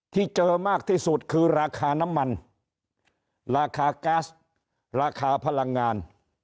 ที่เจอมากที่สุดคือราคาน้ำมันราคาก๊าซราคาพลังงาน